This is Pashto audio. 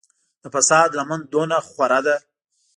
د فساد لمن دومره خوره ده.